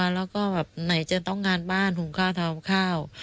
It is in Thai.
แล้วก็แบบไหนจะต้องงานบ้านหุงข้าวทำข้าว